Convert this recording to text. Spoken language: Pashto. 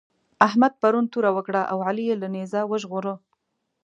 احمد پرون توره وکړه او علي يې له نېزه وژغوره.